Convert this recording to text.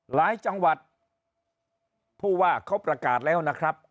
หลายจังหวัดผู้ว่าเขาประกาศแล้วนะครับ